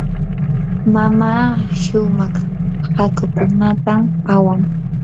mamaa shumaq hakukunatam awan.